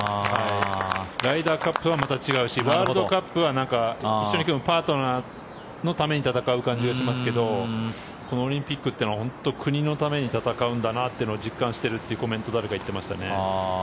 ライダーカップはまた違うしワールドカップは一緒に組むパートナーのために戦う感じがしますがこのオリンピックっていうのは本当に国のために戦ってるんだって実感してるって誰かが言ってましたね。